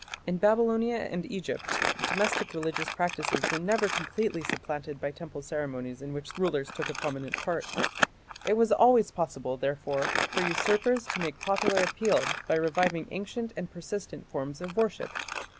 In Babylonia and Egypt domestic religious practices were never completely supplanted by temple ceremonies in which rulers took a prominent part. It was always possible, therefore, for usurpers to make popular appeal by reviving ancient and persistent forms of worship.